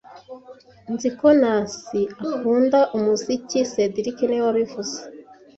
Nzi ko Nancy akunda umuziki cedric niwe wabivuze